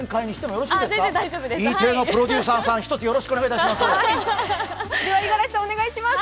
Ｅテレのプロデューサーさん、ひとつよろしくお願いします。